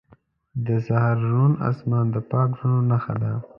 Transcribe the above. • د سهار روڼ آسمان د پاک زړونو نښه ده.